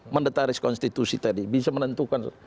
mendetaris konstitusi tadi bisa menentukan